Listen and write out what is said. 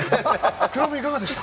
スクラムいかがでした？